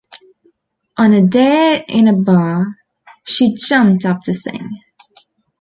On a dare in a bar, she jumped up to sing.